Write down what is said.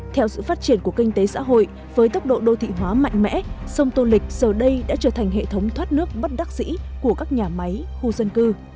theo sự phát triển của kinh tế xã hội với tốc độ đô thị hóa mạnh mẽ sông tô lịch giờ đây đã trở thành hệ thống thoát nước bất đắc dĩ của các nhà máy khu dân cư